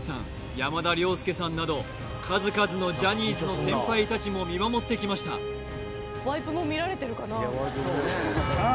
山田涼介さんなど数々のジャニーズの先輩達も見守ってきましたさあ